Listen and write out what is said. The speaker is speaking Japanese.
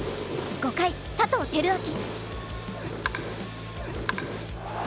５回、佐藤輝明